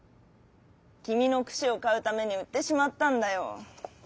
「きみのくしをかうためにうってしまったんだよ。